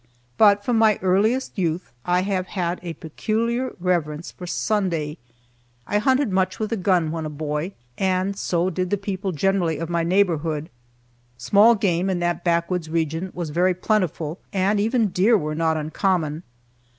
But, from my earliest youth, I have had a peculiar reverence for Sunday. I hunted much with a gun when a boy, and so did the people generally of my neighborhood. Small game in that backwoods region was very plentiful, and even deer were not uncommon.